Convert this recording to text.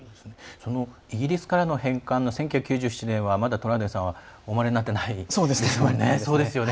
イギリスからの返還の１９９７年にまだトラウデンさんはお生まれになってないですもんね。